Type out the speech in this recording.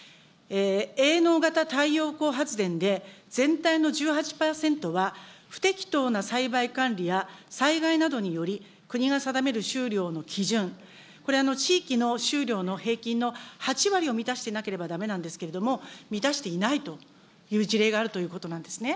営農型太陽光発電で全体の１８％は、不適当な栽培管理や災害などにより、国が定める収量の基準、これ、地域の収量の平均の８割を満たしていなければだめなんですけれども、満たしていないという事例があるということなんですね。